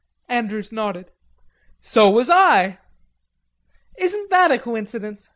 Andrews nodded. "So was I." "Isn't that a coincidence?"